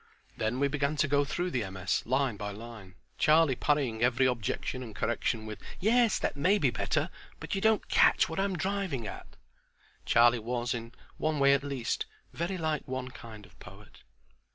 Then we began to go through the MS. line by line; Charlie parrying every objection and correction with: "Yes, that may be better, but you don't catch what I'm driving at." Charlie was, in one way at least, very like one kind of poet.